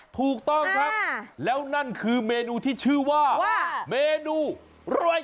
ถูกต้องครับแล้วนั่นคือเมนูที่ชื่อว่าเมนูอร่อย